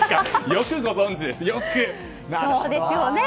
よくご存じですね。